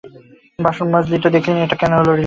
বাসন মজলি তো দেখলি নে এটো গেল কি রৈল?